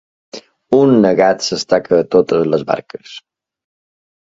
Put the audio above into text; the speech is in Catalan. Un negat s'estaca a totes les barques.